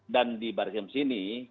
dan di baris yang disini